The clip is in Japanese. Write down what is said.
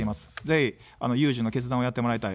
ぜひ有事の決断をやってもらいたい。